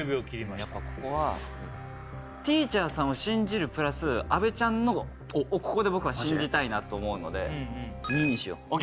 やっぱここはティーチャーズさんを信じるプラス阿部ちゃんのをここで僕は信じたいなと思うので２にしようＯＫ